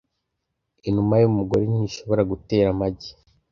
Inuma yumugore ntishobora gutera amagi